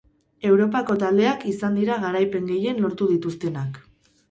Europako taldeak izan dira garaipen gehien lortu dituztenak.